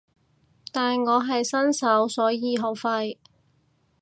但我係新手所以好廢